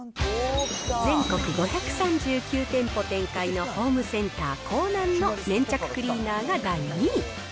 全国５３９店舗展開のホームセンター、コーナンの粘着クリーナーが第２位。